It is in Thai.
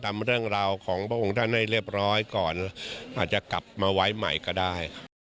เรื่องราวของพระองค์ท่านให้เรียบร้อยก่อนอาจจะกลับมาไว้ใหม่ก็ได้